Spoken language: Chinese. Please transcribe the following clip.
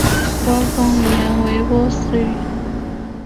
官方语言为波斯语。